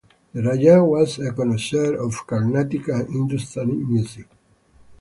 The Raja was a connoisseur of Carnatic and Hindustani music.